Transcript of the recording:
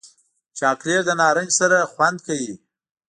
چاکلېټ د نارنج سره خوند کوي.